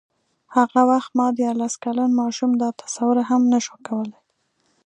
هغه وخت ما دیارلس کلن ماشوم دا تصور هم نه شو کولای.